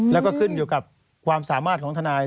แล้วก็ขึ้นอยู่กับความสามารถของทนาย